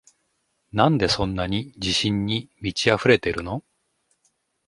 なんでそんなに自信に満ちあふれてるの？